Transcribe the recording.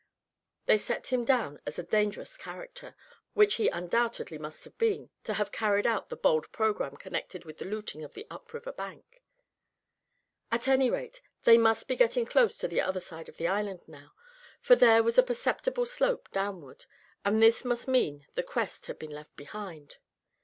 They set him down as a dangerous character, which he undoubtedly must have been, to have carried out the bold programme connected with the looting of the up river bank. At any rate, they must be getting close to the other side of the island now, for there was a perceptible slope downward, and this must mean the crest had been left behind.